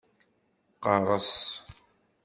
Qerres!